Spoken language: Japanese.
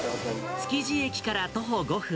築地駅から徒歩５分。